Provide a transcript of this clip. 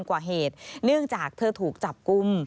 กว่าเหตุเนื่องจากเธอถูกจับกลุ่ม